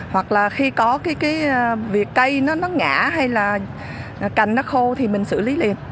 hoặc là khi có cái việc cây nó ngã hay là cành nó khô thì mình xử lý liền